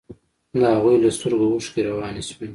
د هغوى له سترگو اوښکې روانې سوې.